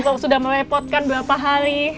kalau sudah merepotkan berapa hari